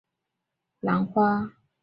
这种花包括兰花。